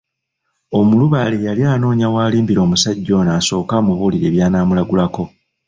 Omulubaale yali anoonya w’alimbira omusajja ono asooke amubuulire by’anaamulagulako.